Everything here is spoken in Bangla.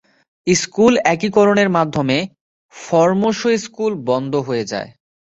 স্কুল একীকরণের মাধ্যমে ফরমোসো স্কুল বন্ধ হয়ে যায়।